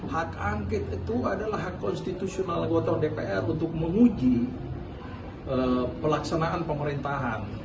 hak angket itu adalah hak konstitusional anggota dpr untuk menguji pelaksanaan pemerintahan